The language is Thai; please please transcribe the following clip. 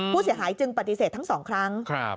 ผู้เสียหายจึงปฏิเสธทั้งสองครั้ง